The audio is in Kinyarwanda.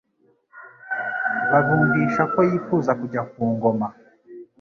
babumvisha ko yifuza kujya ku ngoma,